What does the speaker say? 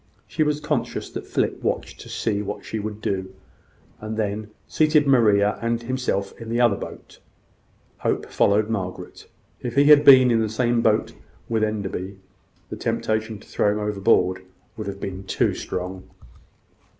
She was conscious that Philip watched to see what she would do, and then seated Maria and himself in the other boat. Hope followed Margaret. If he had been in the same boat with Enderby, the temptation to throw him overboard would have been too strong.